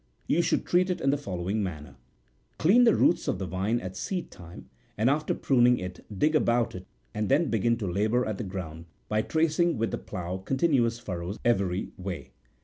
You should treat it in the following manner. Clean the roots of the vine at seed time, and after pruning it dig about it, and then begin to labour at the ground, by tracing with . the plough continuous furrows every way.